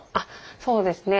そうですね。